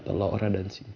dia juga benci pcs